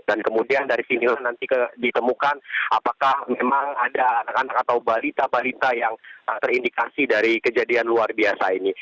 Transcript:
dan kemudian dari sini nanti ditemukan apakah memang ada anak anak atau balita balita yang terindikasi dari kejadian luar biasa ini